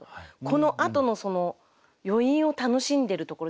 このあとのその余韻を楽しんでるところですかね。